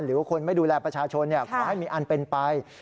หรือว่าคนไม่ดูแลประชาชนขอให้มีอันเป็นไป